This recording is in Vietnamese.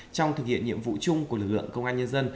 trong thực hiện nhiệm vụ chung của lực lượng công an nhân dân